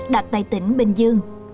đặt tại tỉnh bình dương